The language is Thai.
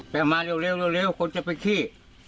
ไปว่ามาเร็วคนไปขี่